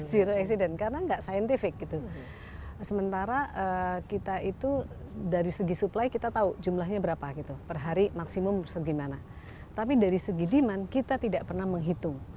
zero accident karena nggak scientific gitu sementara kita itu dari segi supply kita tahu jumlahnya berapa gitu per hari maksimum segimana tapi dari segi demand kita tidak pernah menghitung